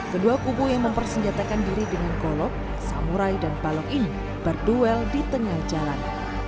kedua kubu yang mempersenjatakan diri dengan kolok samurai dan balok ini berduel di tengah jalan